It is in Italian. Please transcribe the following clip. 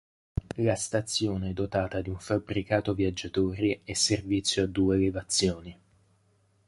La stazione è dotata di un fabbricato viaggiatori e servizio a due elevazioni.